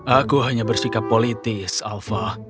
aku hanya bersikap politis alva